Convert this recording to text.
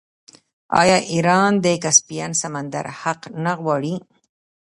آیا ایران د کسپین سمندر حق نه غواړي؟